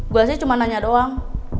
gue sih cuma nanya doang